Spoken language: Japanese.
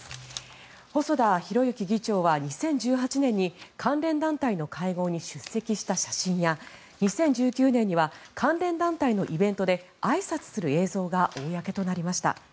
細田博之議長は２０１８年に関連団体の会合に出席した写真や２０１９年には関連団体のイベントであいさつする映像が公となりました。